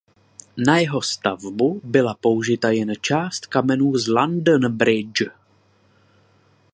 Na jeho stavbu byla použita jen část kamenů z London Bridge.